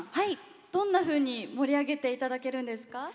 どんなふうに盛り上げていただけるんですか？